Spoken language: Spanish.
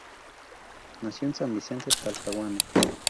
Nació en San Vicente, Talcahuano.